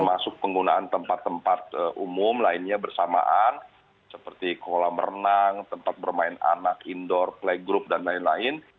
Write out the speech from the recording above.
termasuk penggunaan tempat tempat umum lainnya bersamaan seperti kolam renang tempat bermain anak indoor play group dan lain lain